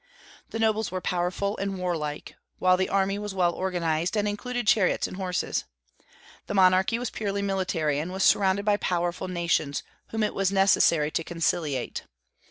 The nobles were powerful and warlike; while the army was well organized, and included chariots and horses. The monarchy was purely military, and was surrounded by powerful nations, whom it was necessary to conciliate.